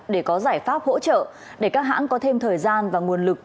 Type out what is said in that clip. để có giải pháp hỗ trợ để các hãng có thêm thời gian và nguồn lực